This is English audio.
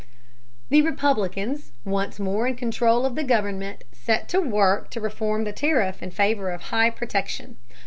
The Republicans, once more in control of the government, set to work to reform the tariff in favor of high protection.